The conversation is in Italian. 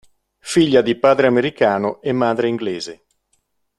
Figlia di padre americano e madre inglese.